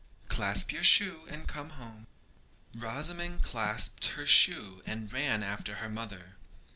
Clasp your shoe, and come home.' Rosamond clasped her shoe and ran after her mother.